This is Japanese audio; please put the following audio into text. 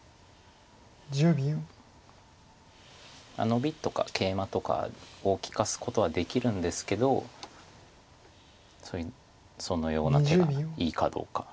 ノビとかケイマとかを利かすことはできるんですけどそのような手がいいかどうか。